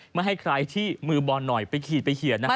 ไม่ให้ใครที่มือบอลหน่อยไปขีดไปเขียนนะครับ